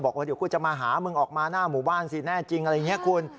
บอกว่าเดี๋ยวกูจะมาหามึงออกมาหน้าหมู่บ้านสิแน่จริงอะไรอย่างนี้คุณ